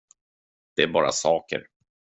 Det är bara saker.